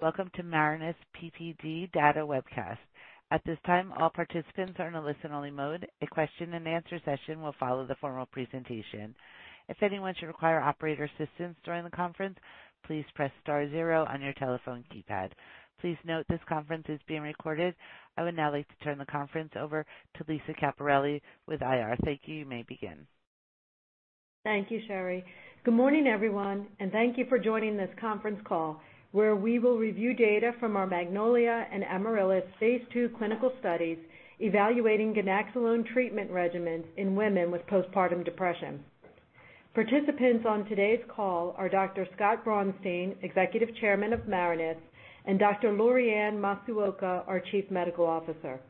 Welcome to Marinus PPD Data Webcast. At this time, all participants are in a listen-only mode. A question-and-answer session will follow the formal presentation. If anyone should require operator assistance during the conference, please press star zero on your telephone keypad. Please note this conference is being recorded. I would now like to turn the conference over to Lisa Caperelli with IR. Thank you. You may begin. Thank you, Sherry. Good morning, everyone, and thank you for joining this conference call where we will review data from our Magnolia and Amaryllis phase II clinical studies evaluating ganaxolone treatment regimens in women with postpartum depression. Participants on today's call are Dr. Scott Braunstein, Executive Chairman of Marinus, and Dr. Lorianne Masuoka, our Chief Medical Officer.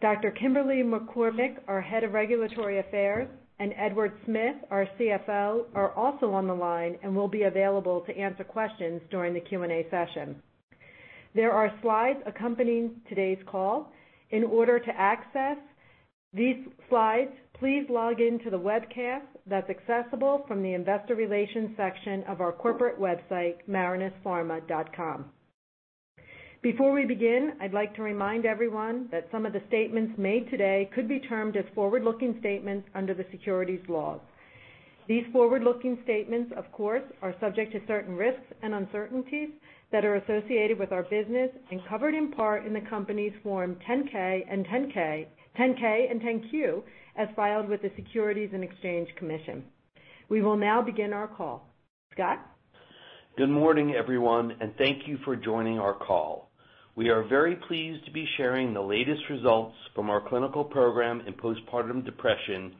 Dr. Kimberly McCormick, our Head of Regulatory Affairs, and Edward Smith, our CFO, are also on the line and will be available to answer questions during the Q&A session. There are slides accompanying today's call. In order to access these slides, please log in to the webcast that's accessible from the investor relations section of our corporate website, marinuspharma.com. Before we begin, I'd like to remind everyone that some of the statements made today could be termed as forward-looking statements under the securities laws. These forward-looking statements, of course, are subject to certain risks and uncertainties that are associated with our business and covered in part in the company's Form 10-K and 10-Q, as filed with the Securities and Exchange Commission. We will now begin our call. Scott? Good morning, everyone. Thank you for joining our call. We are very pleased to be sharing the latest results from our clinical program in postpartum depression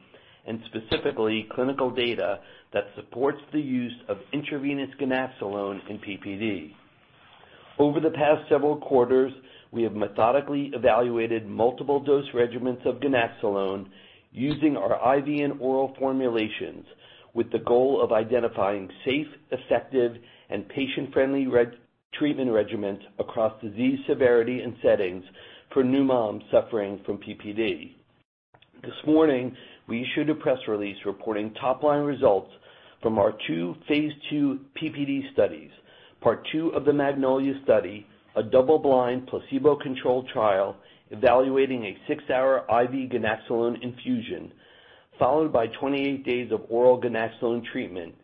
and specifically clinical data that supports the use of intravenous ganaxolone in PPD. Over the past several quarters, we have methodically evaluated multiple dose regimens of ganaxolone using our IV and oral formulations with the goal of identifying safe, effective, and patient-friendly treatment regimens across disease severity and settings for new moms suffering from PPD. This morning, we issued a press release reporting top-line results from our two phase II PPD studies. Part two of the Magnolia study, a double-blind, placebo-controlled trial evaluating a six-hour IV ganaxolone infusion followed by 28 days of oral ganaxolone treatment,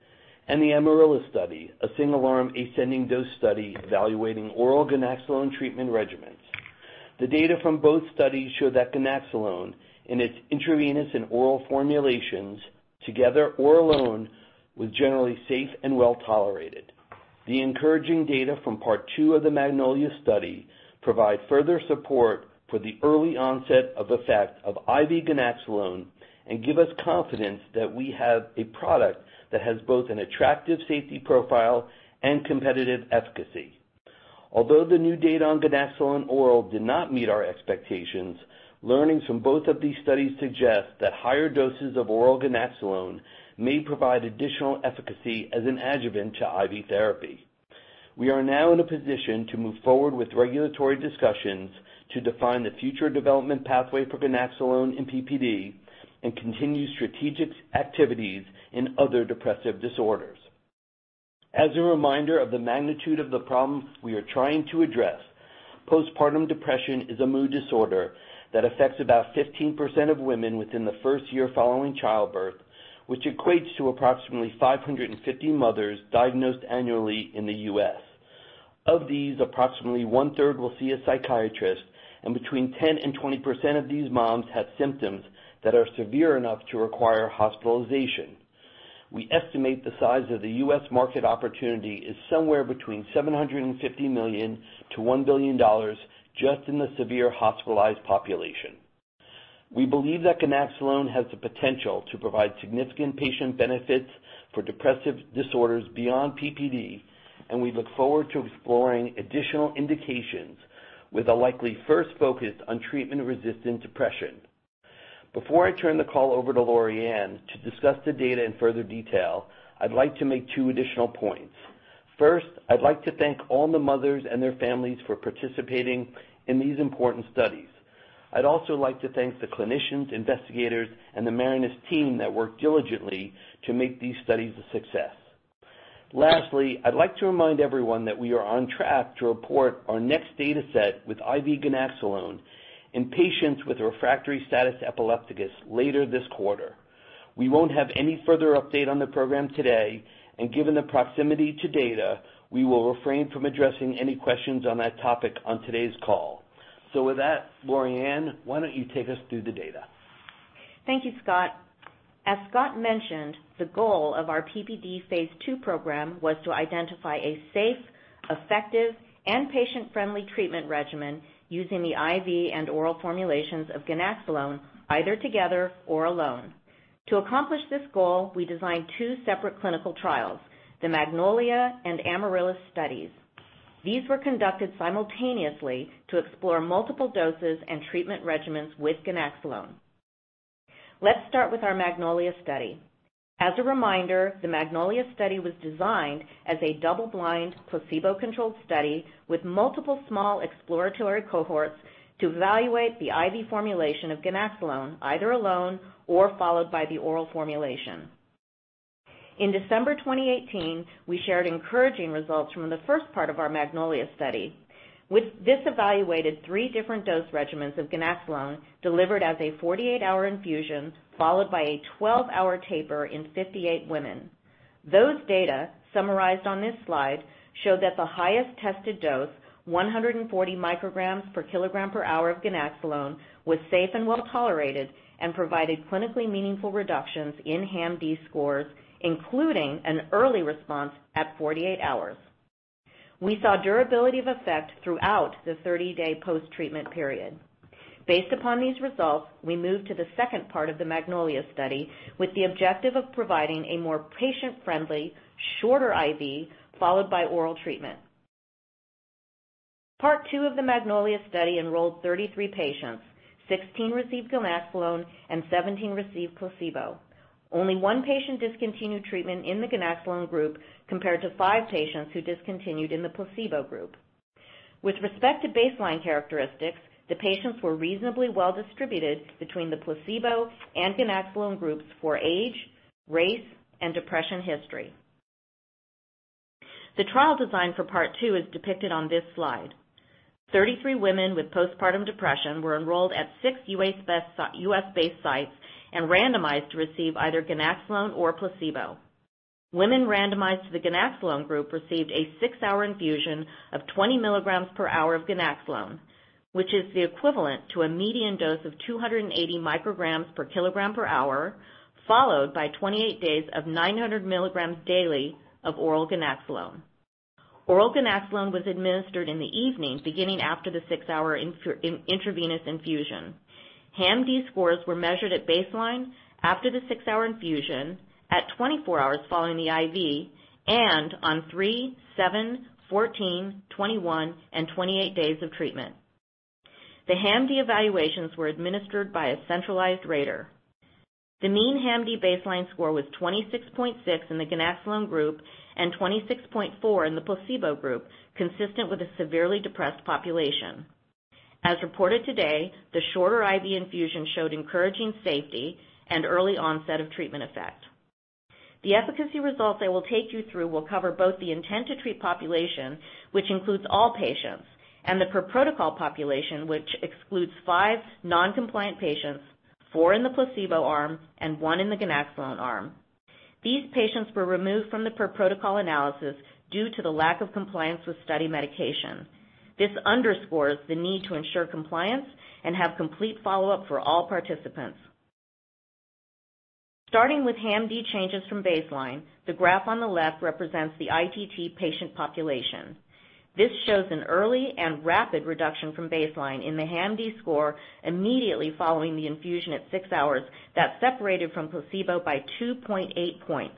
and the Amaryllis study, a single-arm ascending dose study evaluating oral ganaxolone treatment regimens. The data from both studies show that ganaxolone in its intravenous and oral formulations, together or alone, was generally safe and well-tolerated. The encouraging data from part two of the Magnolia study provide further support for the early onset of effect of IV ganaxolone and give us confidence that we have a product that has both an attractive safety profile and competitive efficacy. Although the new data on ganaxolone oral did not meet our expectations, learnings from both of these studies suggest that higher doses of oral ganaxolone may provide additional efficacy as an adjuvant to IV therapy. We are now in a position to move forward with regulatory discussions to define the future development pathway for ganaxolone in PPD and continue strategic activities in other depressive disorders. As a reminder of the magnitude of the problem we are trying to address, postpartum depression is a mood disorder that affects about 15% of women within the first year following childbirth, which equates to approximately 550 mothers diagnosed annually in the U.S. Of these, approximately one-third will see a psychiatrist, and between 10% and 20% of these moms have symptoms that are severe enough to require hospitalization. We estimate the size of the U.S. market opportunity is somewhere between $750 million-$1 billion just in the severe hospitalized population. We believe that ganaxolone has the potential to provide significant patient benefits for depressive disorders beyond PPD, and we look forward to exploring additional indications with a likely first focus on treatment-resistant depression. Before I turn the call over to Lorianne to discuss the data in further detail, I'd like to make two additional points. First, I'd like to thank all the mothers and their families for participating in these important studies. I'd also like to thank the clinicians, investigators, and the Marinus team that worked diligently to make these studies a success. Lastly, I'd like to remind everyone that we are on track to report our next data set with IV ganaxolone in patients with refractory status epilepticus later this quarter. We won't have any further update on the program today, and given the proximity to data, we will refrain from addressing any questions on that topic on today's call. With that, Lorianne, why don't you take us through the data? Thank you, Scott. As Scott mentioned, the goal of our PPD phase II program was to identify a safe, effective, and patient-friendly treatment regimen using the IV and oral formulations of ganaxolone, either together or alone. To accomplish this goal, we designed two separate clinical trials, the Magnolia and Amaryllis studies. These were conducted simultaneously to explore multiple doses and treatment regimens with ganaxolone. Let's start with our Magnolia study. As a reminder, the Magnolia study was designed as a double-blind, placebo-controlled study with multiple small exploratory cohorts to evaluate the IV formulation of ganaxolone, either alone or followed by the oral formulation. In December 2018, we shared encouraging results from the first part of our Magnolia study. This evaluated three different dose regimens of ganaxolone delivered as a 48-hour infusion followed by a 12-hour taper in 58 women. Those data, summarized on this slide, show that the highest tested dose, 140 micrograms per kilogram per hour of ganaxolone, was safe and well-tolerated and provided clinically meaningful reductions in HAM-D scores, including an early response at 48 hours. We saw durability of effect throughout the 30-day post-treatment period. Based upon these results, we moved to the second part of the Magnolia study with the objective of providing a more patient-friendly, shorter IV followed by oral treatment. Part two of the Magnolia study enrolled 33 patients. 16 received ganaxolone and 17 received placebo. Only one patient discontinued treatment in the ganaxolone group, compared to five patients who discontinued in the placebo group. With respect to baseline characteristics, the patients were reasonably well distributed between the placebo and ganaxolone groups for age, race, and depression history. The trial design for Part two is depicted on this slide. 33 women with postpartum depression were enrolled at six U.S.-based sites and randomized to receive either ganaxolone or placebo. Women randomized to the ganaxolone group received a six-hour infusion of 20 mg per hour of ganaxolone, which is the equivalent to a median dose of 280 micrograms per kilogram per hour, followed by 28 days of 900 mg daily of oral ganaxolone. Oral ganaxolone was administered in the evening beginning after the six-hour intravenous infusion. HAM-D scores were measured at baseline, after the six-hour infusion, at 24 hours following the IV, and on three, seven, 14, 21, and 28 days of treatment. The HAM-D evaluations were administered by a centralized rater. The mean HAM-D baseline score was 26.6 in the ganaxolone group and 26.4 in the placebo group, consistent with a severely depressed population. As reported today, the shorter IV infusion showed encouraging safety and early onset of treatment effect. The efficacy results I will take you through will cover both the intent-to-treat population, which includes all patients, and the per-protocol population, which excludes five non-compliant patients, four in the placebo arm and one in the ganaxolone arm. These patients were removed from the per-protocol analysis due to the lack of compliance with study medication. This underscores the need to ensure compliance and have complete follow-up for all participants. Starting with HAM-D changes from baseline, the graph on the left represents the ITT patient population. This shows an early and rapid reduction from baseline in the HAM-D score immediately following the infusion at six hours that separated from placebo by 2.8 points.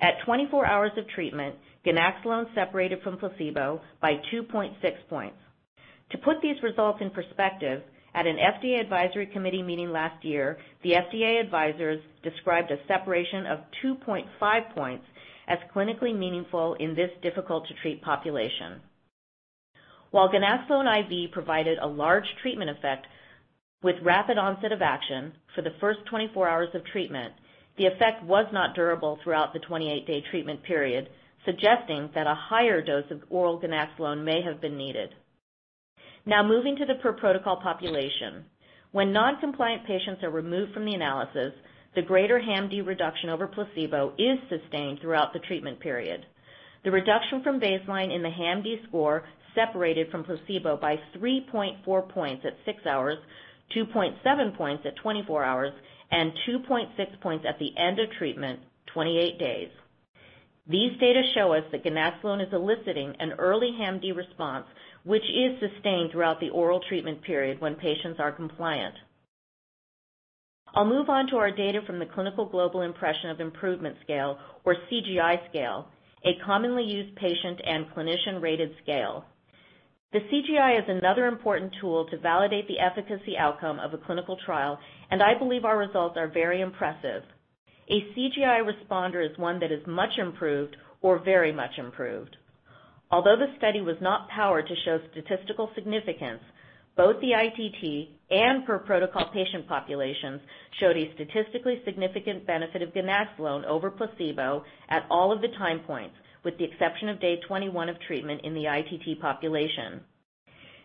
At 24 hours of treatment, ganaxolone separated from placebo by 2.6 points. To put these results in perspective, at an FDA advisory committee meeting last year, the FDA advisors described a separation of 2.5 points as clinically meaningful in this difficult-to-treat population. While ganaxolone IV provided a large treatment effect with rapid onset of action for the first 24 hours of treatment, the effect was not durable throughout the 28-day treatment period, suggesting that a higher dose of oral ganaxolone may have been needed. Moving to the per-protocol population. When non-compliant patients are removed from the analysis, the greater HAM-D reduction over placebo is sustained throughout the treatment period. The reduction from baseline in the HAM-D score separated from placebo by 3.4 points at six hours, 2.7 points at 24 hours, and 2.6 points at the end of treatment, 28 days. These data show us that ganaxolone is eliciting an early HAM-D response, which is sustained throughout the oral treatment period when patients are compliant. I'll move on to our data from the Clinical Global Impression of Improvement scale, or CGI scale, a commonly used patient and clinician-rated scale. The CGI is another important tool to validate the efficacy outcome of a clinical trial, and I believe our results are very impressive. A CGI responder is one that is much improved or very much improved. Although the study was not powered to show statistical significance, both the ITT and per-protocol patient populations showed a statistically significant benefit of ganaxolone over placebo at all of the time points, with the exception of day 21 of treatment in the ITT population.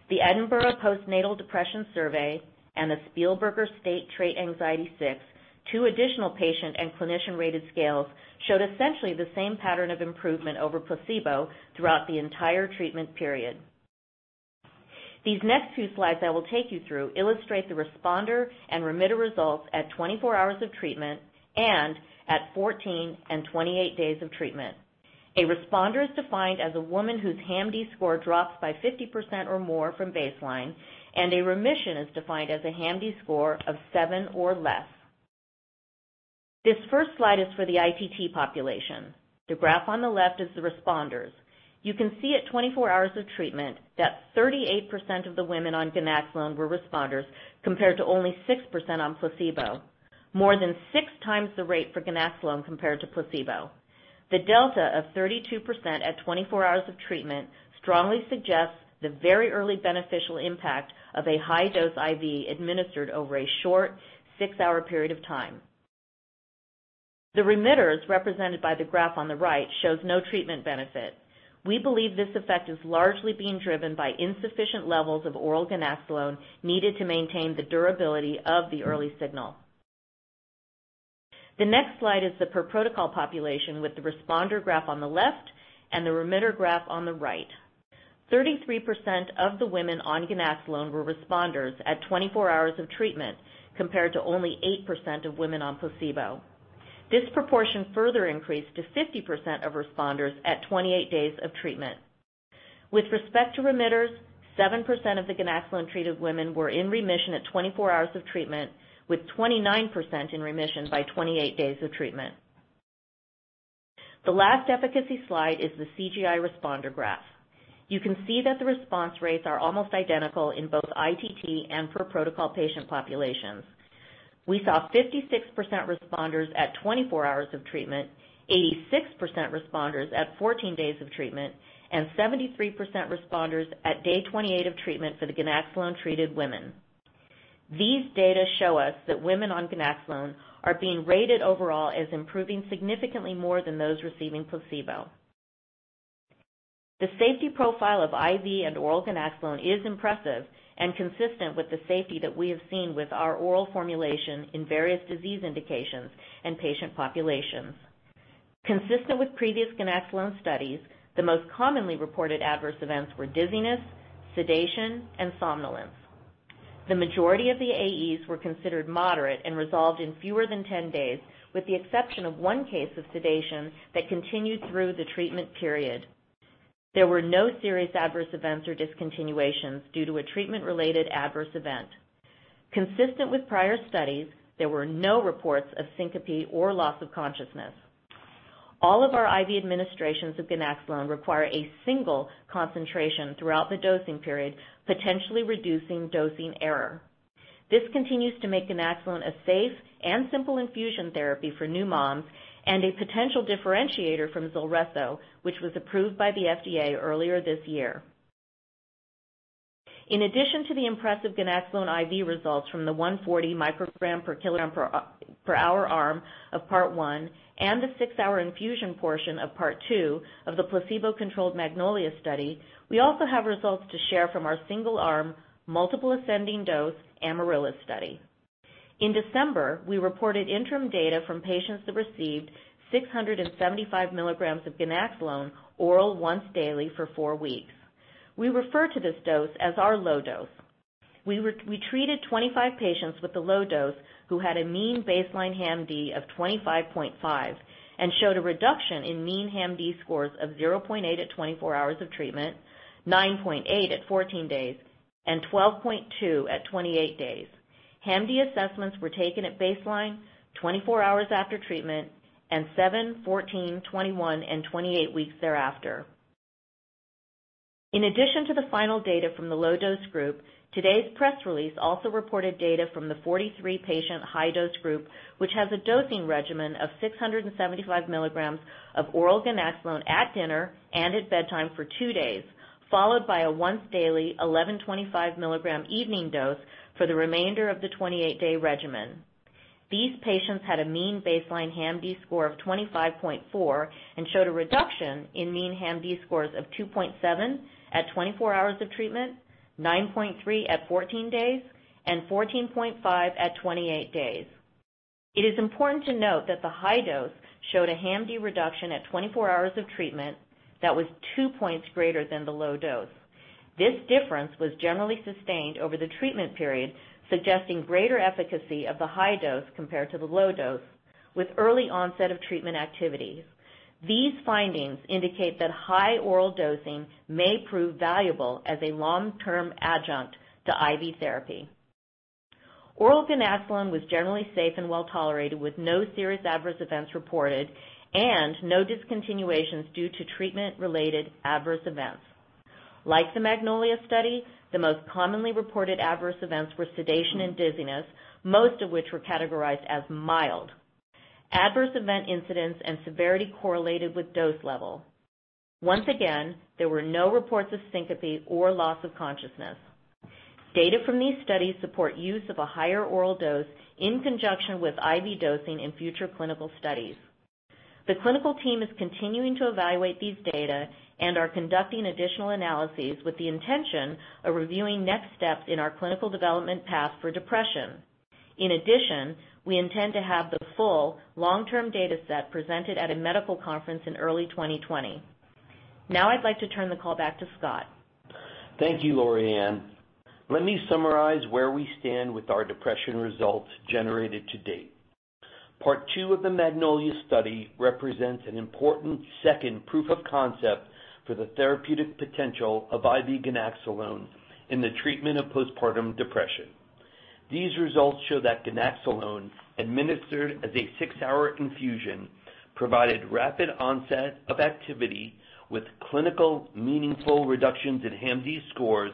The Edinburgh Postnatal Depression Scale and the Spielberger State-Trait Anxiety-6, two additional patient and clinician-rated scales, showed essentially the same pattern of improvement over placebo throughout the entire treatment period. These next few slides I will take you through illustrate the responder and remitter results at 24 hours of treatment and at 14 and 28 days of treatment. A responder is defined as a woman whose HAM-D score drops by 50% or more from baseline, and a remission is defined as a HAM-D score of seven or less. This first slide is for the ITT population. The graph on the left is the responders. You can see at 24 hours of treatment that 38% of the women on ganaxolone were responders, compared to only 6% on placebo, more than six times the rate for ganaxolone compared to placebo. The delta of 32% at 24 hours of treatment strongly suggests the very early beneficial impact of a high-dose IV administered over a short six-hour period of time. The remitters represented by the graph on the right shows no treatment benefit. We believe this effect is largely being driven by insufficient levels of oral ganaxolone needed to maintain the durability of the early signal. The next slide is the per-protocol population with the responder graph on the left and the remitter graph on the right. 33% of the women on ganaxolone were responders at 24 hours of treatment, compared to only 8% of women on placebo. This proportion further increased to 50% of responders at 28 days of treatment. With respect to remitters, 7% of the ganaxolone treated women were in remission at 24 hours of treatment, with 29% in remission by 28 days of treatment. The last efficacy slide is the CGI responder graph. You can see that the response rates are almost identical in both ITT and per-protocol patient populations. We saw 56% responders at 24 hours of treatment, 86% responders at 14 days of treatment, and 73% responders at day 28 of treatment for the ganaxolone-treated women. These data show us that women on ganaxolone are being rated overall as improving significantly more than those receiving placebo. The safety profile of IV and oral ganaxolone is impressive and consistent with the safety that we have seen with our oral formulation in various disease indications and patient populations. Consistent with previous ganaxolone studies, the most commonly reported adverse events were dizziness, sedation, and somnolence. The majority of the AEs were considered moderate and resolved in fewer than 10 days, with the exception of one case of sedation that continued through the treatment period. There were no serious adverse events or discontinuations due to a treatment-related adverse event. Consistent with prior studies, there were no reports of syncope or loss of consciousness. All of our IV administrations of ganaxolone require a single concentration throughout the dosing period, potentially reducing dosing error. This continues to make ganaxolone a safe and simple infusion therapy for new moms and a potential differentiator from ZULRESSO, which was approved by the FDA earlier this year. In addition to the impressive ganaxolone IV results from the 140 microgram per kilogram per hour arm of part one and the six-hour infusion portion of part two of the placebo-controlled Magnolia study, we also have results to share from our single-arm multiple ascending dose Amaryllis study. In December, we reported interim data from patients that received 675 mg of ganaxolone oral once daily for four weeks. We refer to this dose as our low dose. We treated 25 patients with the low dose who had a mean baseline HAM-D of 25.5 and showed a reduction in mean HAM-D scores of 0.8 at 24 hours of treatment, 9.8 at 14 days, and 12.2 at 28 days. HAM-D assessments were taken at baseline, 24 hours after treatment, and seven, 14, 21, and 28 weeks thereafter. In addition to the final data from the low-dose group, today's press release also reported data from the 43-patient high-dose group, which has a dosing regimen of 675 mg of oral ganaxolone at dinner and at bedtime for two days, followed by a once-daily 1,125-mg evening dose for the remainder of the 28-day regimen. These patients had a mean baseline HAM-D score of 25.4 and showed a reduction in mean HAM-D scores of 2.7 at 24 hours of treatment, 9.3 at 14 days, and 14.5 at 28 days. It is important to note that the high dose showed a HAM-D reduction at 24 hours of treatment that was two points greater than the low dose. This difference was generally sustained over the treatment period, suggesting greater efficacy of the high dose compared to the low dose, with early onset of treatment activities. These findings indicate that high oral dosing may prove valuable as a long-term adjunct to IV therapy. Oral ganaxolone was generally safe and well-tolerated, with no serious adverse events reported and no discontinuations due to treatment-related adverse events. Like the Magnolia study, the most commonly reported adverse events were sedation and dizziness, most of which were categorized as mild. Adverse event incidence and severity correlated with dose level. Once again, there were no reports of syncope or loss of consciousness. Data from these studies support use of a higher oral dose in conjunction with IV dosing in future clinical studies. The clinical team is continuing to evaluate these data and are conducting additional analyses with the intention of reviewing next steps in our clinical development path for depression. In addition, we intend to have the full long-term data set presented at a medical conference in early 2020. Now I'd like to turn the call back to Scott. Thank you, Lorianne. Let me summarize where we stand with our depression results generated to date. Part two of the Magnolia study represents an important second proof of concept for the therapeutic potential of IV ganaxolone in the treatment of postpartum depression. These results show that ganaxolone, administered as a six-hour infusion, provided rapid onset of activity with clinical meaningful reductions in HAM-D scores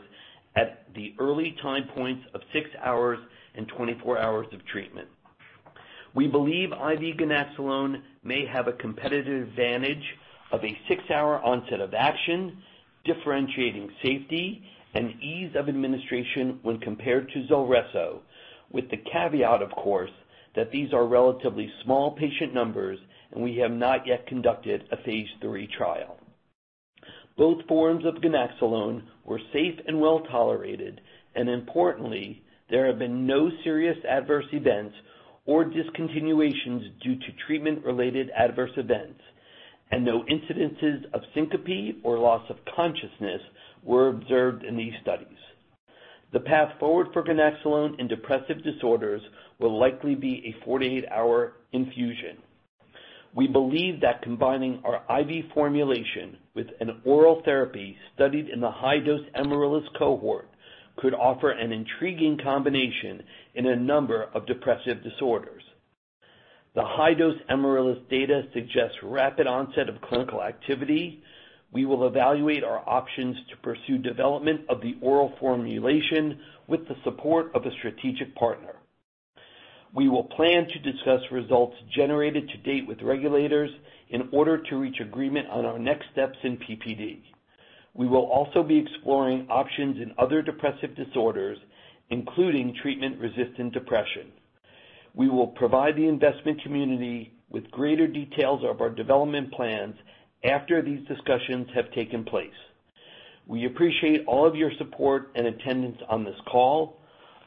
at the early time points of six hours and 24 hours of treatment. We believe IV ganaxolone may have a competitive advantage of a six-hour onset of action, differentiating safety and ease of administration when compared to ZULRESSO, with the caveat, of course, that these are relatively small patient numbers and we have not yet conducted a phase III trial. Both forms of ganaxolone were safe and well-tolerated, and importantly, there have been no serious adverse events or discontinuations due to treatment-related adverse events, and no incidences of syncope or loss of consciousness were observed in these studies. The path forward for ganaxolone in depressive disorders will likely be a 48-hour infusion. We believe that combining our IV formulation with an oral therapy studied in the high-dose Amaryllis cohort could offer an intriguing combination in a number of depressive disorders. The high-dose Amaryllis data suggests rapid onset of clinical activity. We will evaluate our options to pursue development of the oral formulation with the support of a strategic partner. We will plan to discuss results generated to date with regulators in order to reach agreement on our next steps in PPD. We will also be exploring options in other depressive disorders, including treatment-resistant depression. We will provide the investment community with greater details of our development plans after these discussions have taken place. We appreciate all of your support and attendance on this call.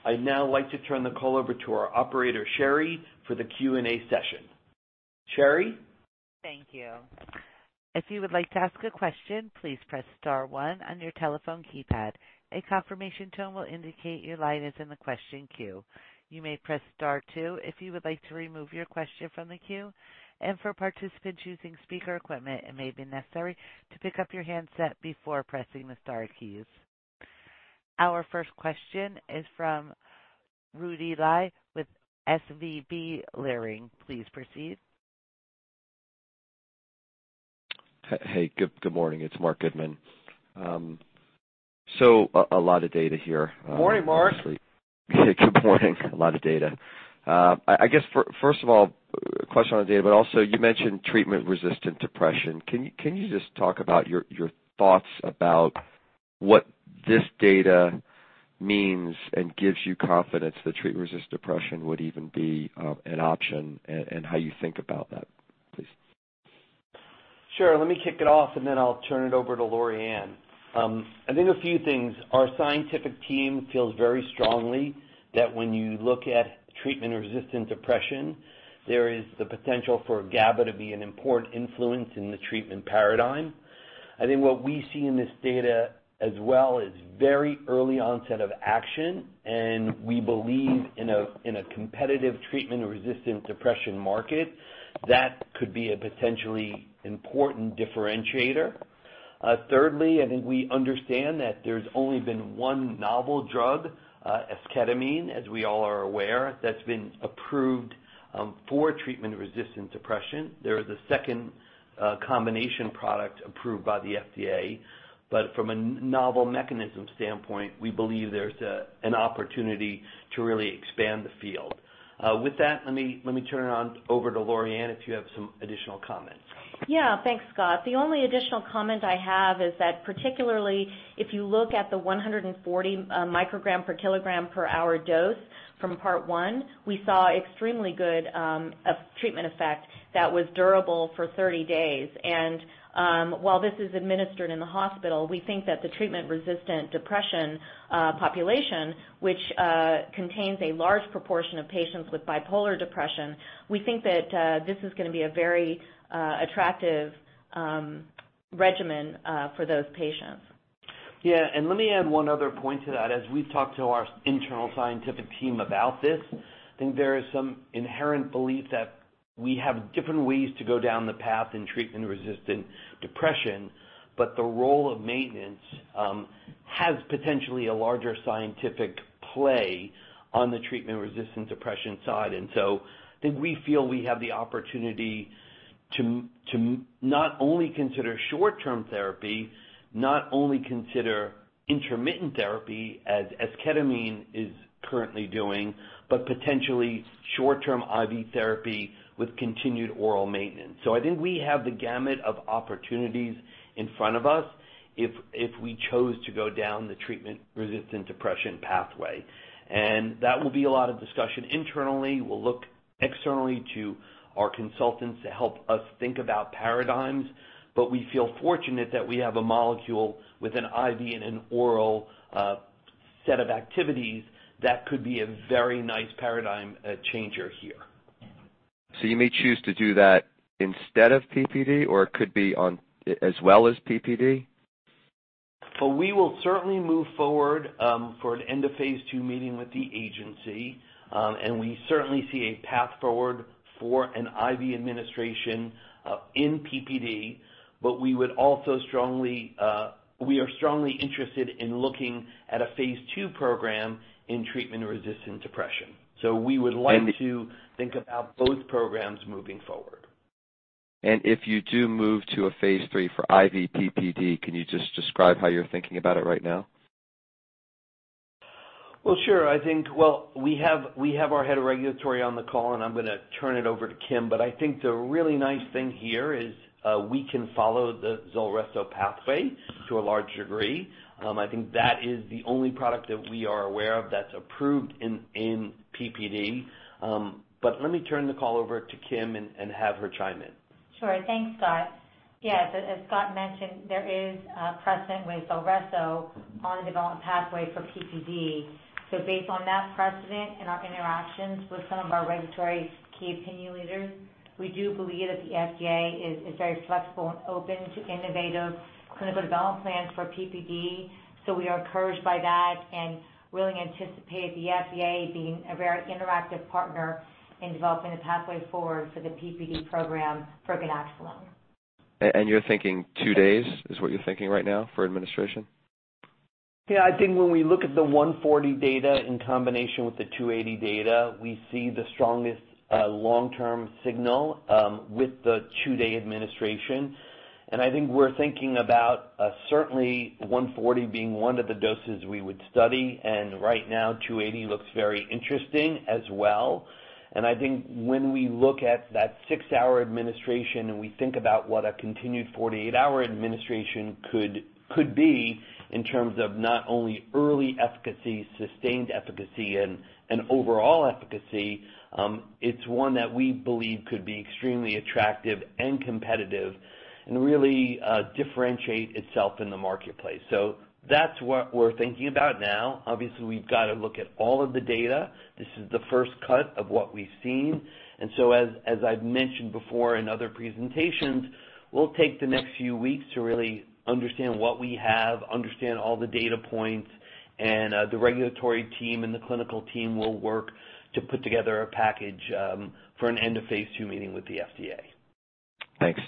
I'd now like to turn the call over to our operator, Sherry, for the Q&A session. Sherry? Thank you. If you would like to ask a question, please press star one on your telephone keypad. A confirmation tone will indicate your line is in the question queue. You may press star two if you would like to remove your question from the queue. For participants using speaker equipment, it may be necessary to pick up your handset before pressing the star keys. Our first question is from Rudy Li with SVB Leerink. Please proceed. Hey, good morning. It's Marc Goodman. A lot of data here. Morning, Marc. Good morning. A lot of data. I guess, first of all, question on data, but also you mentioned treatment-resistant depression. Can you just talk about your thoughts about what this data means and gives you confidence that treatment-resistant depression would even be an option and how you think about that, please? Sure. Let me kick it off and then I'll turn it over to Lorianne. I think a few things. Our scientific team feels very strongly that when you look at treatment-resistant depression, there is the potential for GABA to be an important influence in the treatment paradigm. I think what we see in this data as well is very early onset of action, and we believe in a competitive treatment-resistant depression market, that could be a potentially important differentiator. Thirdly, I think we understand that there's only been one novel drug, esketamine, as we all are aware, that's been approved for treatment-resistant depression. There is a second combination product approved by the FDA. From a novel mechanism standpoint, we believe there's an opportunity to really expand the field. With that, let me turn it over to Lorianne if you have some additional comments. Yeah. Thanks, Scott. The only additional comment I have is that particularly if you look at the 140 microgram per kilogram per hour dose from part one, we saw extremely good treatment effect that was durable for 30 days. While this is administered in the hospital, we think that the treatment-resistant depression population, which contains a large proportion of patients with bipolar depression, we think that this is going to be a very attractive regimen for those patients. Let me add one other point to that. As we've talked to our internal scientific team about this, I think there is some inherent belief that we have different ways to go down the path in treatment-resistant depression, but the role of maintenance has potentially a larger scientific play on the treatment-resistant depression side. I think we feel we have the opportunity to not only consider short-term therapy, not only consider intermittent therapy as esketamine is currently doing, but potentially short-term IV therapy with continued oral maintenance. I think we have the gamut of opportunities in front of us if we chose to go down the treatment-resistant depression pathway. That will be a lot of discussion internally. We'll look externally to our consultants to help us think about paradigms, but we feel fortunate that we have a molecule with an IV and an oral set of activities that could be a very nice paradigm changer here. You may choose to do that instead of PPD, or it could be as well as PPD? We will certainly move forward for an end-of-phase II meeting with the agency. We certainly see a path forward for an IV administration in PPD, but we are strongly interested in looking at a phase II program in treatment-resistant depression. We would like to think about both programs moving forward. If you do move to a phase III for IV PPD, can you just describe how you're thinking about it right now? Well, sure. I think we have our head of regulatory on the call, and I'm going to turn it over to Kim. I think the really nice thing here is we can follow the ZULRESSO pathway to a large degree. I think that is the only product that we are aware of that's approved in PPD. Let me turn the call over to Kim and have her chime in. Sure. Thanks, Scott. Yeah, as Scott mentioned, there is a precedent with ZULRESSO on the development pathway for PPD. Based on that precedent and our interactions with some of our regulatory key opinion leaders, we do believe that the FDA is very flexible and open to innovative clinical development plans for PPD. We are encouraged by that and really anticipate the FDA being a very interactive partner in developing a pathway forward for the PPD program for ganaxolone. You're thinking two days is what you're thinking right now for administration? Yeah, I think when we look at the 140 data in combination with the 280 data, we see the strongest long-term signal with the two-day administration. I think we're thinking about certainly 140 being one of the doses we would study, and right now 280 looks very interesting as well. I think when we look at that six-hour administration and we think about what a continued 48-hour administration could be in terms of not only early efficacy, sustained efficacy, and overall efficacy, it's one that we believe could be extremely attractive and competitive and really differentiate itself in the marketplace. That's what we're thinking about now. Obviously, we've got to look at all of the data. This is the first cut of what we've seen. As I've mentioned before in other presentations, we'll take the next few weeks to really understand what we have, understand all the data points, and the regulatory team and the clinical team will work to put together a package for an end of phase II meeting with the FDA. Thanks.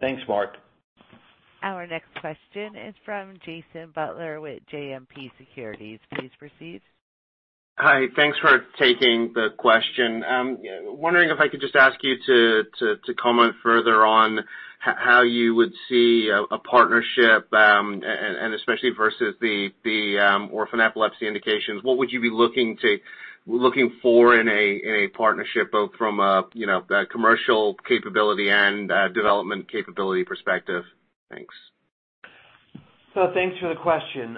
Thanks, Marc. Our next question is from Jason Butler with JMP Securities. Please proceed. Hi. Thanks for taking the question. I'm wondering if I could just ask you to comment further on how you would see a partnership, and especially versus the orphan epilepsy indications. What would you be looking for in a partnership, both from a commercial capability and development capability perspective? Thanks. Thanks for the question.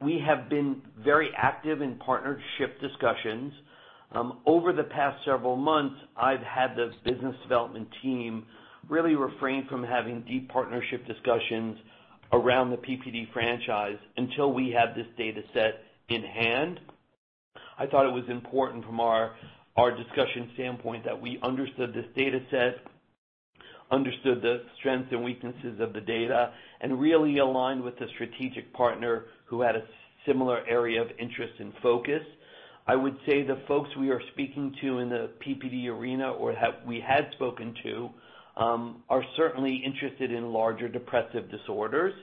We have been very active in partnership discussions. Over the past several months, I've had the business development team really refrain from having deep partnership discussions around the PPD franchise until we had this data set in hand. I thought it was important from our discussion standpoint that we understood this data set, understood the strengths and weaknesses of the data, and really aligned with a strategic partner who had a similar area of interest and focus. I would say the folks we are speaking to in the PPD arena or we had spoken to are certainly interested in larger depressive disorders.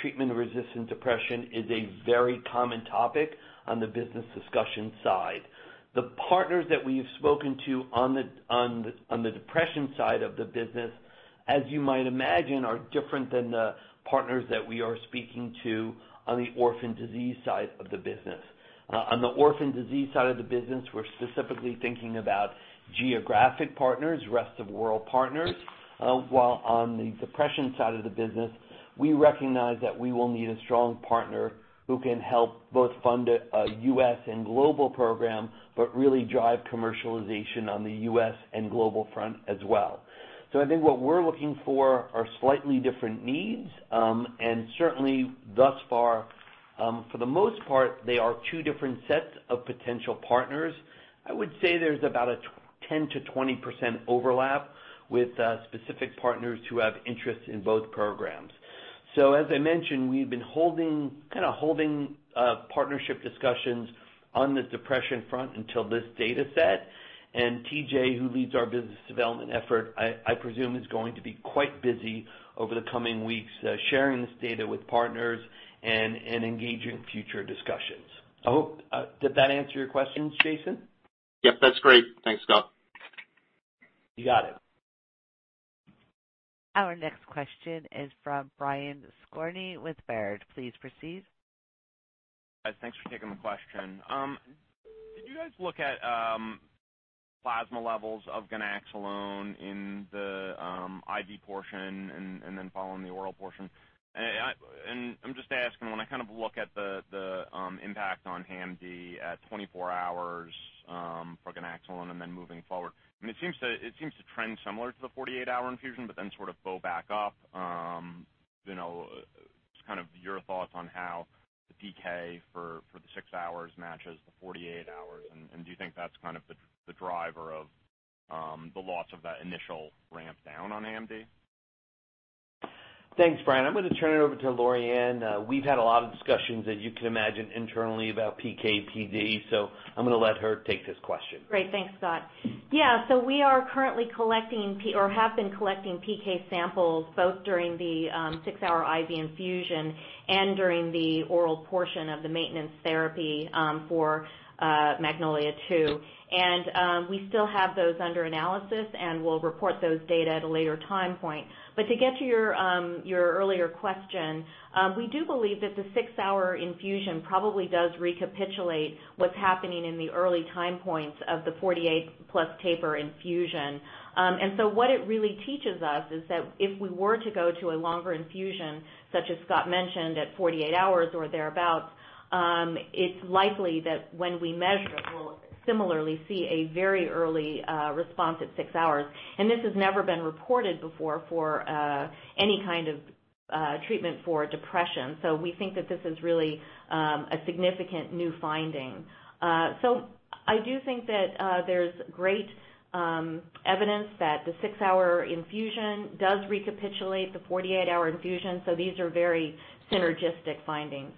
Treatment-resistant depression is a very common topic on the business discussion side. The partners that we've spoken to on the depression side of the business, as you might imagine, are different than the partners that we are speaking to on the orphan disease side of the business. On the orphan disease side of the business, we're specifically thinking about geographic partners, rest-of-world partners. While on the depression side of the business, we recognize that we will need a strong partner who can help both fund a U.S. and global program, but really drive commercialization on the U.S. and global front as well. I think what we're looking for are slightly different needs. Certainly thus far, for the most part, they are two different sets of potential partners. I would say there's about a 10%-20% overlap with specific partners who have interest in both programs. As I mentioned, we've been holding partnership discussions on the depression front until this data set. TJ, who leads our business development effort, I presume, is going to be quite busy over the coming weeks sharing this data with partners and engaging in future discussions. I hope, did that answer your questions, Jason? Yep, that's great. Thanks, Scott. You got it. Our next question is from Brian Skorney with Baird. Please proceed. Thanks for taking the question. Did you guys look at plasma levels of ganaxolone in the IV portion and then following the oral portion? I'm just asking when I look at the impact on HAM-D at 24 hours for ganaxolone and then moving forward. It seems to trend similar to the 48-hour infusion, sort of bow back up. Just your thoughts on how the decay for the six hours matches the 48 hours, do you think that's the driver of the loss of that initial ramp down on HAM-D? Thanks, Brian. I'm going to turn it over to Lorianne. We've had a lot of discussions, as you can imagine, internally about PK/PD, so I'm going to let her take this question. Great. Thanks, Scott. We are currently collecting, or have been collecting, PK samples both during the six-hour IV infusion and during the oral portion of the maintenance therapy for Magnolia II. We still have those under analysis, and we'll report those data at a later time point. To get to your earlier question, we do believe that the six-hour infusion probably does recapitulate what's happening in the early time points of the 48+ taper infusion. What it really teaches us is that if we were to go to a longer infusion, such as Scott mentioned at 48 hours or thereabout, it's likely that when we measure, we'll similarly see a very early response at six hours. This has never been reported before for any kind of treatment for depression. We think that this is really a significant new finding. I do think that there's great evidence that the 6-hour infusion does recapitulate the 48-hour infusion. These are very synergistic findings.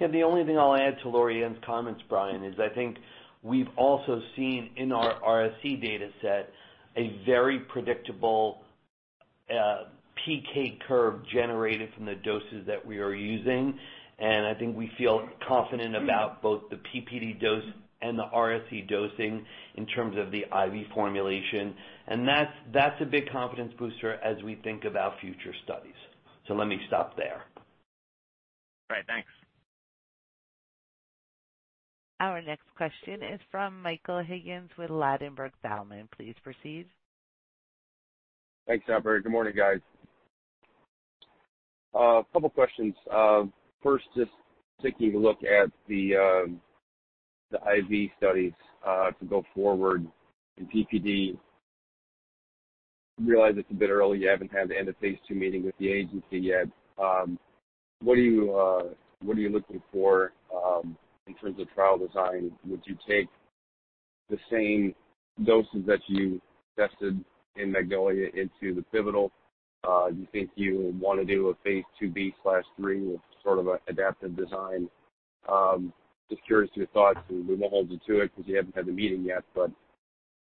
Yeah, the only thing I'll add to Lorianne's comments, Brian, is I think we've also seen in our RSE data set a very predictable PK curve generated from the doses that we are using. I think we feel confident about both the PPD dose and the RSE dosing in terms of the IV formulation. That's a big confidence booster as we think about future studies. Let me stop there. Great, thanks. Our next question is from Michael Higgins with Ladenburg Thalmann. Please proceed. Thanks, operator. Good morning, guys. A couple questions. Just taking a look at the IV studies to go forward in PPD. Realize it's a bit early. You haven't had the end of phase II meeting with the agency yet. What are you looking for in terms of trial design? Would you take the same doses that you tested in MAGNOLIA into the pivotal? Do you think you want to do a phase II-B/III with sort of an adaptive design? Just curious to your thoughts. We won't hold you to it because you haven't had the meeting yet, but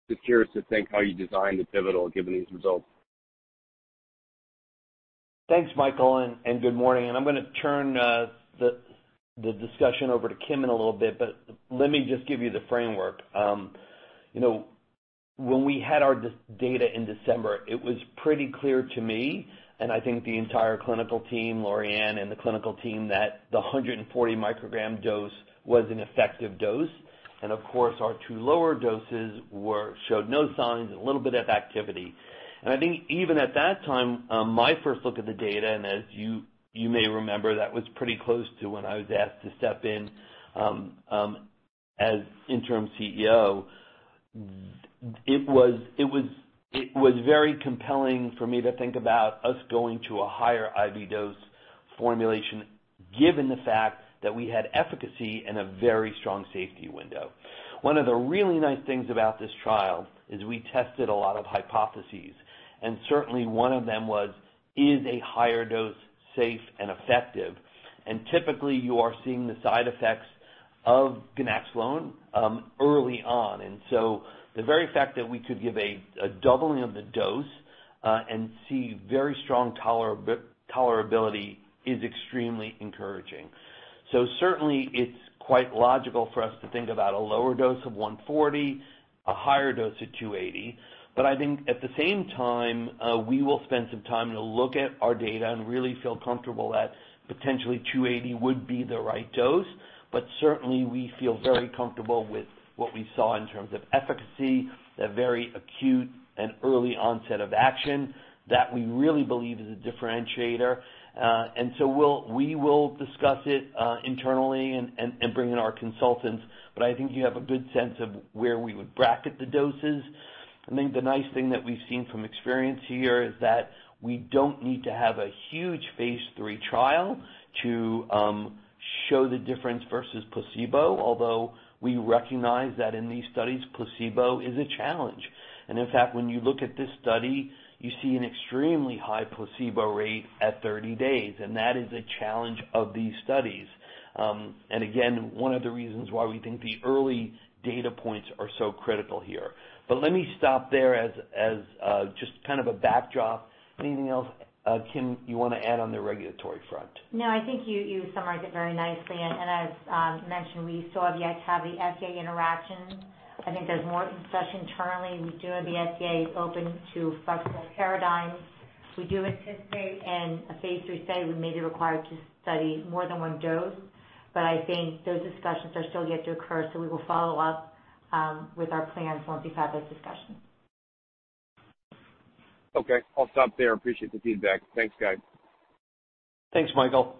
just curious to think how you design the pivotal given these results. Thanks, Michael. Good morning. I'm going to turn the discussion over to Kim in a little bit, but let me just give you the framework. When we had our data in December, it was pretty clear to me, and I think the entire clinical team, Lorianne and the clinical team, that the 140-microgram dose was an effective dose. Of course, our two lower doses showed no signs, a little bit of activity. I think even at that time, my first look at the data, and as you may remember, that was pretty close to when I was asked to step in as interim CEO. It was very compelling for me to think about us going to a higher IV dose formulation given the fact that we had efficacy and a very strong safety window. One of the really nice things about this trial is we tested a lot of hypotheses, and certainly one of them was, is a higher dose safe and effective? Typically, you are seeing the side effects of ganaxolone early on. The very fact that we could give a doubling of the dose and see very strong tolerability is extremely encouraging. Certainly it's quite logical for us to think about a lower dose of 140, a higher dose of 280. I think at the same time, we will spend some time to look at our data and really feel comfortable that potentially 280 would be the right dose. Certainly we feel very comfortable with what we saw in terms of efficacy, a very acute and early onset of action that we really believe is a differentiator. We will discuss it internally and bring in our consultants, but I think you have a good sense of where we would bracket the doses. I think the nice thing that we've seen from experience here is that we don't need to have a huge phase III trial to show the difference versus placebo, although we recognize that in these studies, placebo is a challenge. In fact, when you look at this study, you see an extremely high placebo rate at 30 days, and that is a challenge of these studies. Again, one of the reasons why we think the early data points are so critical here. Let me stop there as just kind of a backdrop. Anything else, Kim, you want to add on the regulatory front? No, I think you summarized it very nicely. As mentioned, we saw the IC50 FDA interaction. I think there's more discussion internally. We do have the FDA open to flexible paradigms. We do anticipate in a phase III study we may be required to study more than one dose. I think those discussions are still yet to occur, so we will follow up with our plans once we have those discussions. Okay, I'll stop there. Appreciate the feedback. Thanks, guys. Thanks, Michael.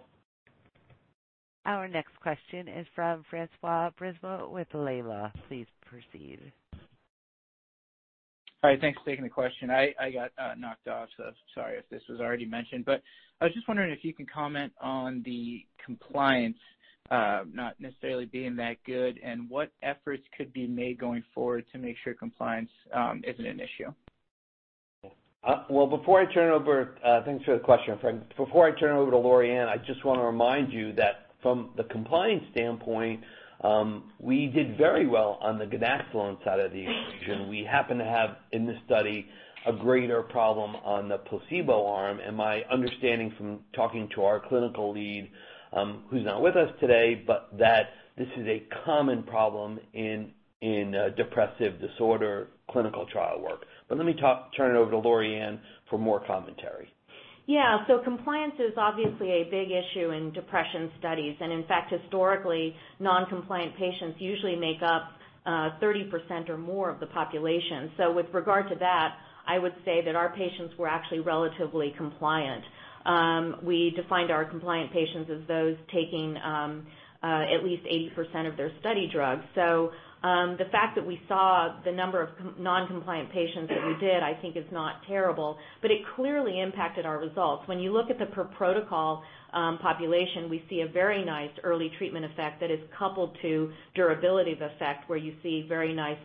Our next question is from François Brisebois with Laidlaw. Please proceed. Hi, thanks for taking the question. I got knocked off, so sorry if this was already mentioned. I was just wondering if you can comment on the compliance not necessarily being that good, and what efforts could be made going forward to make sure compliance isn't an issue? Well, thanks for the question, Fran. Before I turn it over to Lorianne, I just want to remind you that from the compliance standpoint, we did very well on the ganaxolone side of the equation. We happen to have, in this study, a greater problem on the placebo arm, and my understanding from talking to our clinical lead, who's not with us today, but that this is a common problem in depressive disorder clinical trial work. Let me turn it over to Lorianne for more commentary. Yeah. Compliance is obviously a big issue in depression studies. In fact, historically, non-compliant patients usually make up 30% or more of the population. With regard to that, I would say that our patients were actually relatively compliant. We defined our compliant patients as those taking at least 80% of their study drugs. The fact that we saw the number of non-compliant patients that we did, I think is not terrible, but it clearly impacted our results. When you look at the per-protocol population, we see a very nice early treatment effect that is coupled to durability effect, where you see very nice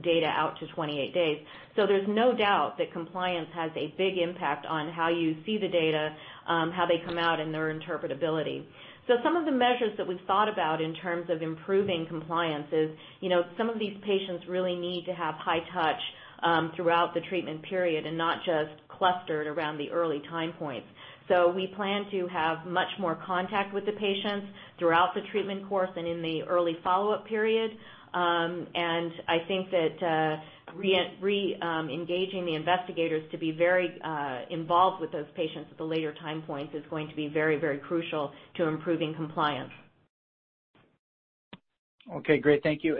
data out to 28 days. There's no doubt that compliance has a big impact on how you see the data, how they come out, and their interpretability. Some of the measures that we've thought about in terms of improving compliance is some of these patients really need to have high touch throughout the treatment period and not just clustered around the early time points. We plan to have much more contact with the patients throughout the treatment course and in the early follow-up period. I think that re-engaging the investigators to be very involved with those patients at the later time points is going to be very crucial to improving compliance. Okay, great. Thank you.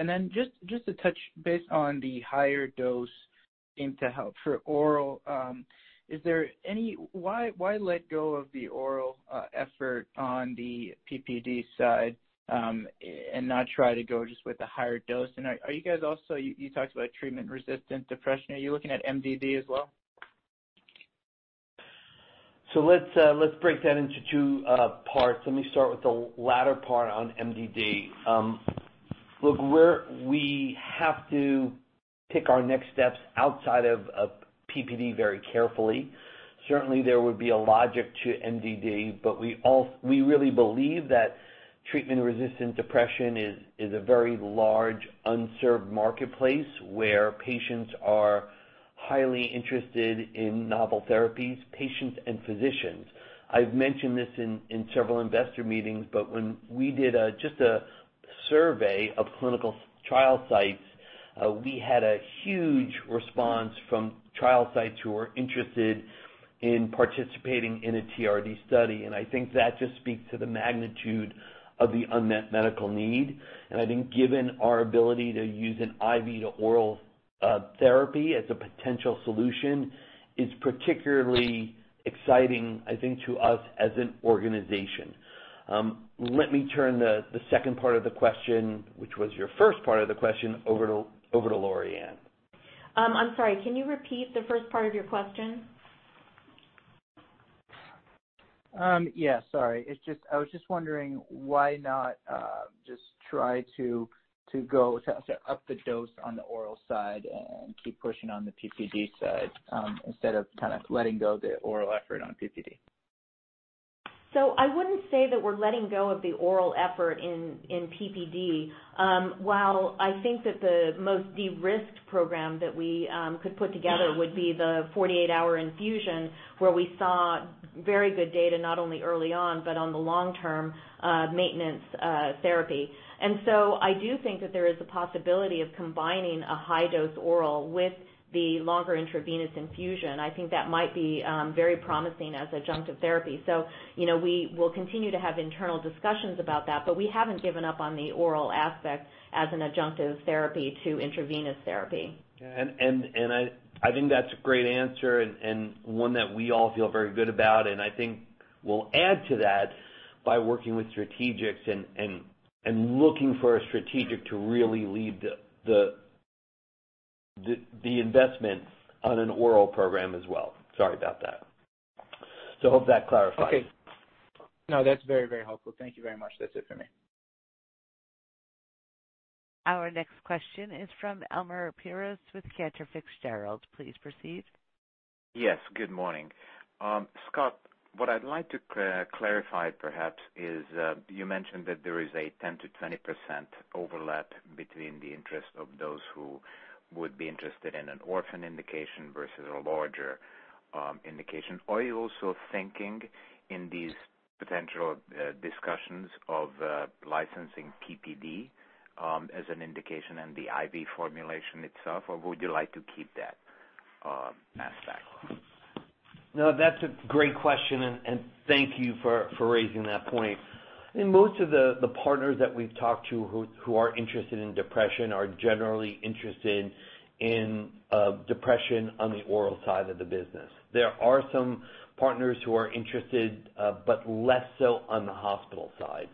Just to touch base on the higher dose Intahelp for oral, why let go of the oral effort on the PPD side, and not try to go just with the higher dose? Are you guys also, you talked about treatment-resistant depression, are you looking at MDD as well? Let's break that into two parts. Let me start with the latter part on MDD. Look, we have to pick our next steps outside of PPD very carefully. Certainly, there would be a logic to MDD, but we really believe that treatment-resistant depression is a very large, unserved marketplace, where patients are highly interested in novel therapies, patients and physicians. I've mentioned this in several investor meetings, but when we did just a survey of clinical trial sites, we had a huge response from trial sites who are interested in participating in a TRD study. I think that just speaks to the magnitude of the unmet medical need. I think given our ability to use an IV to oral therapy as a potential solution is particularly exciting, I think, to us as an organization. Let me turn the second part of the question, which was your first part of the question, over to Lorianne. I'm sorry, can you repeat the first part of your question? Yeah, sorry. I was just wondering why not just try to up the dose on the oral side and keep pushing on the PPD side, instead of letting go of the oral effort on PPD. I wouldn't say that we're letting go of the oral effort in PPD. While I think that the most de-risked program that we could put together would be the 48-hour infusion where we saw very good data, not only early on, but on the long-term maintenance therapy. I do think that there is a possibility of combining a high-dose oral with the longer intravenous infusion. I think that might be very promising as adjunctive therapy. We will continue to have internal discussions about that, but we haven't given up on the oral aspect as an adjunctive therapy to intravenous therapy. I think that's a great answer and one that we all feel very good about. I think we'll add to that by working with strategics and looking for a strategic to really lead the investment on an oral program as well. Sorry about that. Hope that clarifies. Okay. No, that's very helpful. Thank you very much. That's it for me. Our next question is from Elemer Piros with Cantor Fitzgerald. Please proceed. Yes, good morning. Scott, what I'd like to clarify, perhaps, is you mentioned that there is a 10%-20% overlap between the interest of those who would be interested in an orphan indication versus a larger indication. Are you also thinking in these potential discussions of licensing PPD as an indication in the IV formulation itself, or would you like to keep that aspect? No, that's a great question, and thank you for raising that point. I think most of the partners that we've talked to who are interested in depression are generally interested in depression on the oral side of the business. There are some partners who are interested, but less so on the hospital side.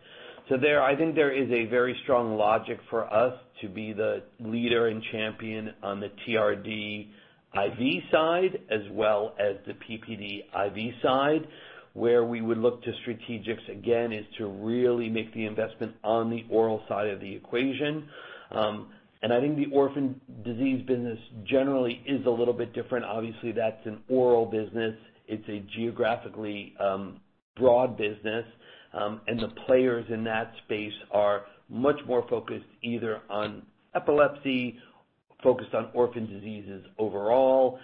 I think there is a very strong logic for us to be the leader and champion on the TRD IV side, as well as the PPD IV side. Where we would look to strategics again is to really make the investment on the oral side of the equation. I think the orphan disease business generally is a little bit different. Obviously, that's an oral business. It's a geographically broad business. The players in that space are much more focused either on epilepsy, focused on orphan diseases overall,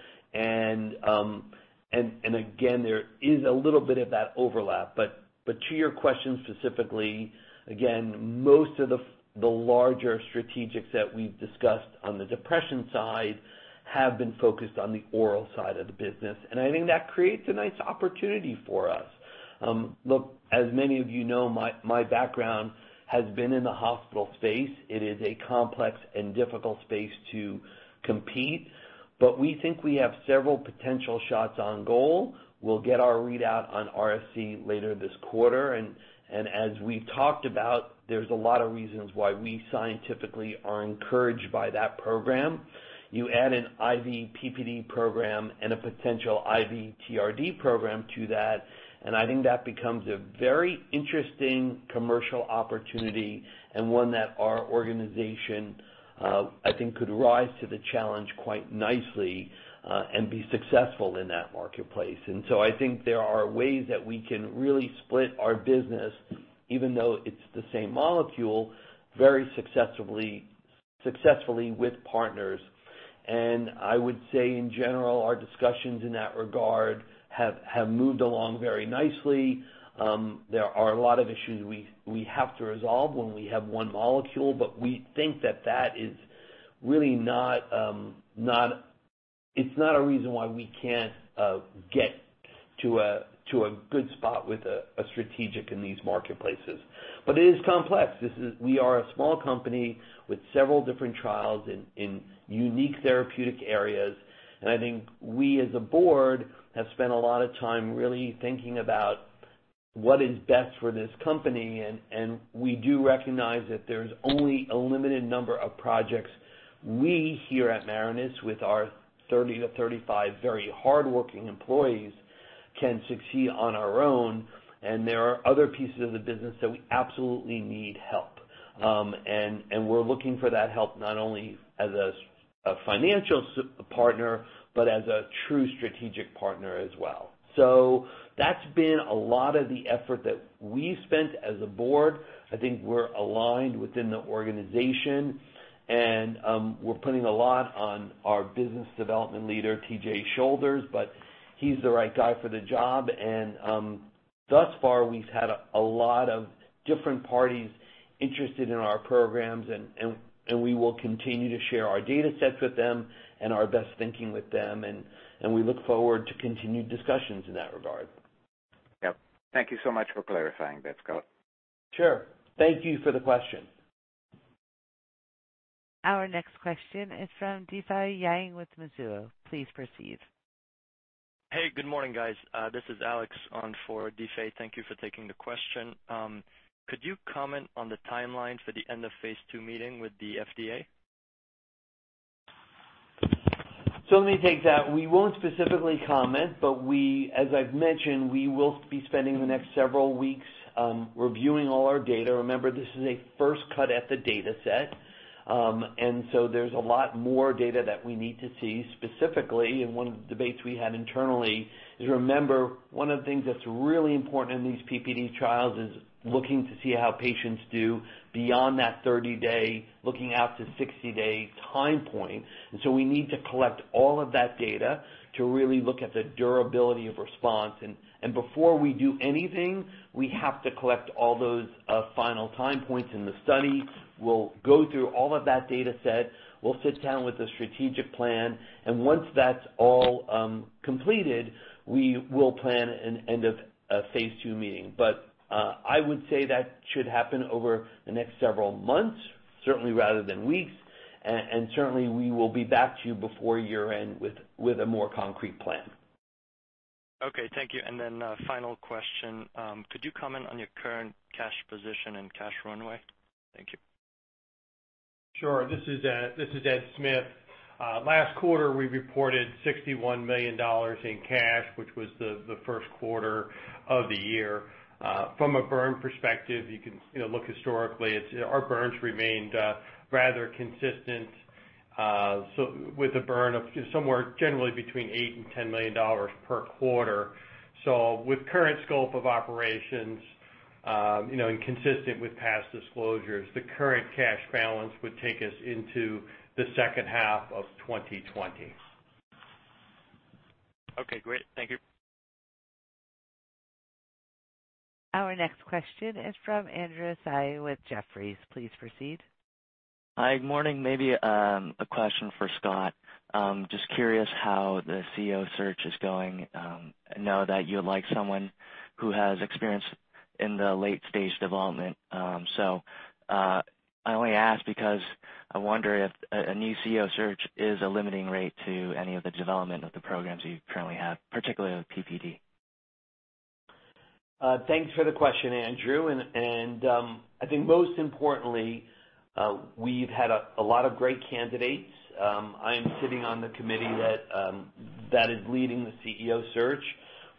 again, there is a little bit of that overlap. To your question specifically, again, most of the larger strategics that we've discussed on the depression side have been focused on the oral side of the business, I think that creates a nice opportunity for us. Look, as many of you know, my background has been in the hospital space. It is a complex and difficult space to compete, but we think we have several potential shots on goal. We'll get our readout on RSE later this quarter, as we've talked about, there's a lot of reasons why we scientifically are encouraged by that program. You add an IV PPD program and a potential IV TRD program to that. I think that becomes a very interesting commercial opportunity and one that our organization, I think could rise to the challenge quite nicely, and be successful in that marketplace. I think there are ways that we can really split our business, even though it's the same molecule, very successfully with partners. I would say in general, our discussions in that regard have moved along very nicely. There are a lot of issues we have to resolve when we have one molecule, we think that is really it's not a reason why we can't get to a good spot with a strategic in these marketplaces. It is complex. We are a small company with several different trials in unique therapeutic areas. I think we as a board have spent a lot of time really thinking about what is best for this company. We do recognize that there's only a limited number of projects we here at Marinus, with our 30 to 35 very hardworking employees, can succeed on our own, and there are other pieces of the business that we absolutely need help. We're looking for that help not only as a financial partner, but as a true strategic partner as well. That's been a lot of the effort that we've spent as a board. I think we're aligned within the organization and we're putting a lot on our business development leader, TJ Shoulders, but he's the right guy for the job. Thus far, we've had a lot of different parties interested in our programs and we will continue to share our datasets with them and our best thinking with them, and we look forward to continued discussions in that regard. Yep. Thank you so much for clarifying this, Scott. Sure. Thank you for the question. Our next question is from Difei Yang with Mizuho. Please proceed. Hey, good morning, guys. This is Alex on for Difei. Thank you for taking the question. Could you comment on the timeline for the end of phase II meeting with the FDA? Let me take that. We won't specifically comment, but as I've mentioned, we will be spending the next several weeks reviewing all our data. Remember, this is a first cut at the dataset. There's a lot more data that we need to see specifically, and one of the debates we had internally is, remember, one of the things that's really important in these PPD trials is looking to see how patients do beyond that 30-day, looking out to 60-day time point. We need to collect all of that data to really look at the durability of response. Before we do anything, we have to collect all those final time points in the study. We'll go through all of that dataset. We'll sit down with the strategic plan, and once that's all completed, we will plan an end of phase II meeting. I would say that should happen over the next several months, certainly rather than weeks. Certainly, we will be back to you before year-end with a more concrete plan. Okay. Thank you. Final question. Could you comment on your current cash position and cash runway? Thank you. Sure. This is Ed Smith. Last quarter, we reported $61 million in cash, which was the first quarter of the year. From a burn perspective, you can look historically. Our burns remained rather consistent, with a burn of somewhere generally between $8 million-$10 million per quarter. With current scope of operations, and consistent with past disclosures, the current cash balance would take us into the second half of 2020. Okay, great. Thank you. Our next question is from Andrew Tsai with Jefferies. Please proceed. Hi, good morning. Maybe a question for Scott. Just curious how the CEO search is going. I know that you would like someone who has experience in the late-stage development. I only ask because I wonder if a new CEO search is a limiting rate to any of the development of the programs you currently have, particularly with PPD? Thanks for the question, Andrew. I think most importantly, we've had a lot of great candidates. I am sitting on the committee that is leading the CEO search.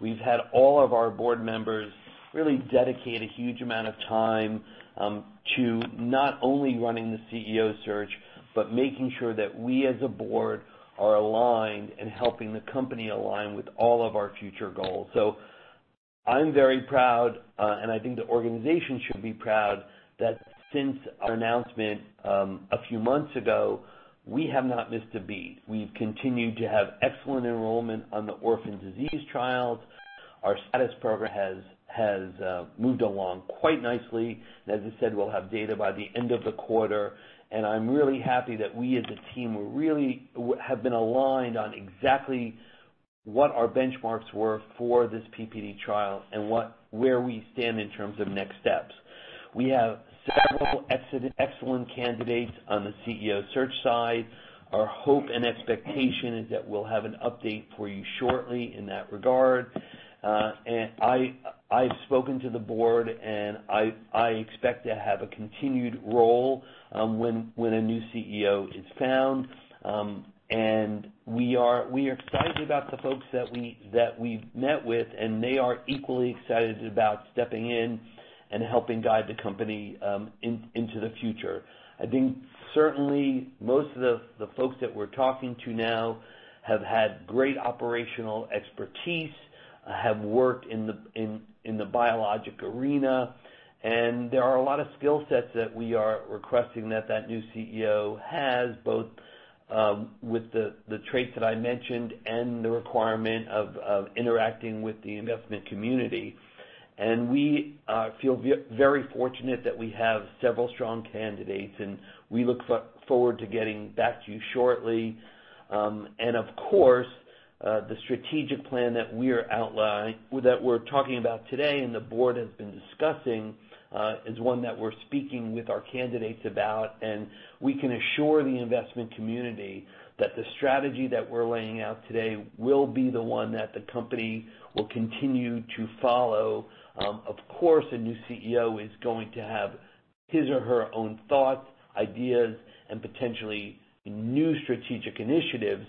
We've had all of our board members really dedicate a huge amount of time to not only running the CEO search, but making sure that we as a board are aligned and helping the company align with all of our future goals. I'm very proud, and I think the organization should be proud that since our announcement a few months ago, we have not missed a beat. We've continued to have excellent enrollment on the orphan disease trials. Our status program has moved along quite nicely. As I said, we'll have data by the end of the quarter. I'm really happy that we as a team really have been aligned on exactly what our benchmarks were for this PPD trial and where we stand in terms of next steps. We have several excellent candidates on the CEO search side. Our hope and expectation is that we'll have an update for you shortly in that regard. I've spoken to the board, and I expect to have a continued role when a new CEO is found. We are excited about the folks that we've met with, and they are equally excited about stepping in and helping guide the company into the future. I think certainly most of the folks that we're talking to now have had great operational expertise, have worked in the biologic arena, and there are a lot of skill sets that we are requesting that that new CEO has, both with the traits that I mentioned and the requirement of interacting with the investment community. We feel very fortunate that we have several strong candidates, and we look forward to getting back to you shortly. Of course, the strategic plan that we're talking about today and the board has been discussing, is one that we're speaking with our candidates about, and we can assure the investment community that the strategy that we're laying out today will be the one that the company will continue to follow. Of course, a new CEO is going to have his or her own thoughts, ideas, and potentially new strategic initiatives,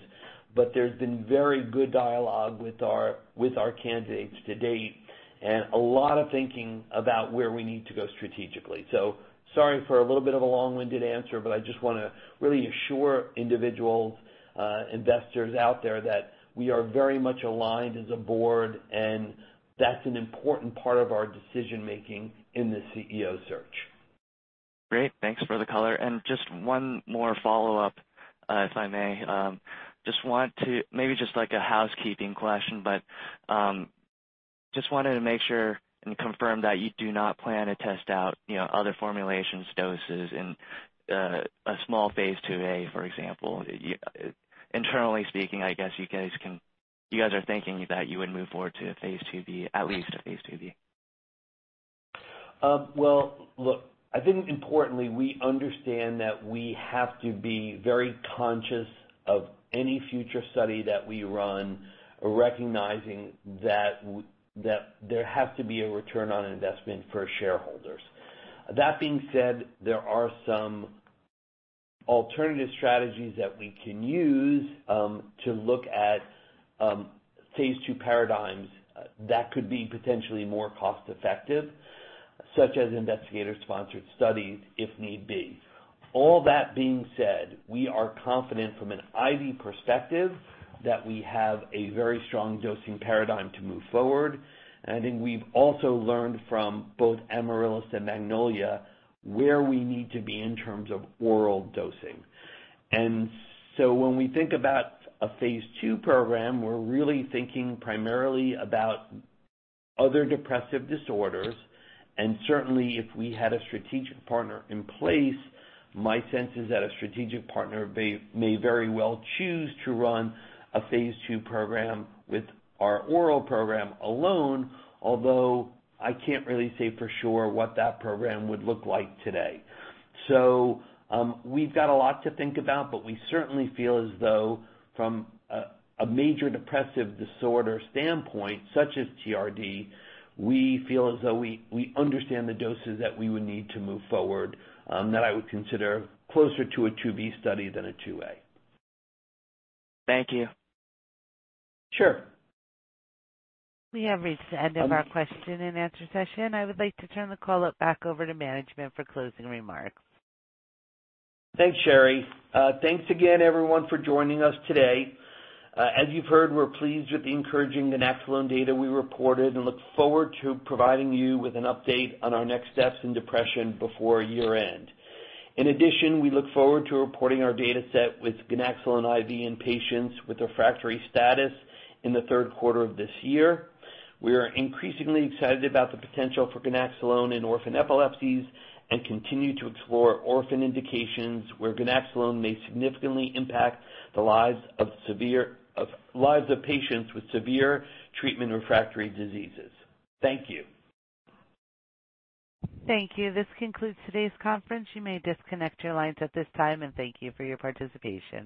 but there's been very good dialogue with our candidates to date and a lot of thinking about where we need to go strategically. Sorry for a little bit of a long-winded answer, but I just want to really assure individual investors out there that we are very much aligned as a board, and that's an important part of our decision-making in the CEO search. Great. Thanks for the color. Just one more follow-up, if I may. Maybe just like a housekeeping question, but just wanted to make sure and confirm that you do not plan to test out other formulations, doses in a small phase IIa, for example. Internally speaking, I guess you guys are thinking that you would move forward to a phase IIb, at least a phase IIb. Well, look, I think importantly, we understand that we have to be very conscious of any future study that we run, recognizing that there has to be a return on investment for shareholders. That being said, there are some alternative strategies that we can use to look at phase II paradigms that could be potentially more cost-effective, such as investigator-sponsored studies if need be. All that being said, we are confident from an IV perspective that we have a very strong dosing paradigm to move forward. I think we've also learned from both Amaryllis and Magnolia where we need to be in terms of oral dosing. When we think about a phase II program, we're really thinking primarily about other depressive disorders. Certainly, if we had a strategic partner in place, my sense is that a strategic partner may very well choose to run a phase II program with our oral program alone. Although, I can't really say for sure what that program would look like today. We've got a lot to think about, but we certainly feel as though from a major depressive disorder standpoint, such as TRD, we feel as though we understand the doses that we would need to move forward that I would consider closer to a IIb study than a IIa. Thank you. Sure. We have reached the end of our question-and-answer session. I would like to turn the call back over to management for closing remarks. Thanks, Sherry. Thanks again, everyone, for joining us today. As you've heard, we're pleased with the encouraging ganaxolone data we reported and look forward to providing you with an update on our next steps in depression before year-end. In addition, we look forward to reporting our data set with ganaxolone IV in patients with refractory status in the third quarter of this year. We are increasingly excited about the potential for ganaxolone in orphan epilepsies and continue to explore orphan indications where ganaxolone may significantly impact the lives of patients with severe treatment-refractory diseases. Thank you. Thank you. This concludes today's conference. You may disconnect your lines at this time, and thank you for your participation.